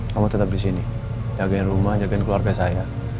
kamu tetap disini jagain rumah jagain keluarga saya